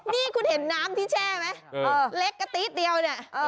นี่คุณเห็นน้ำที่แช่ไหมเล็กกระติ๊ดเดียวเนี่ย